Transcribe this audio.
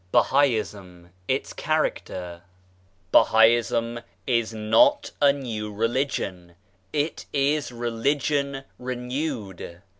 I BAHAISM— ITS CHARACTER Bahaism is not a new religion; it is Religion renewed.